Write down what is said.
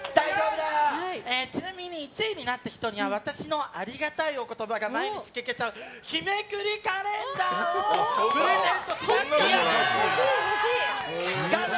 ちなみに１位になった人には私のありがたいお言葉が毎日聞けちゃう日めくりカレンダーをプレゼントします！